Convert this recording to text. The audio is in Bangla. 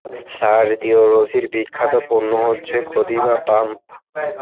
সার্হিও রোসি'র বিখ্যাত পণ্য হচ্ছে গোদিভা পাম্প।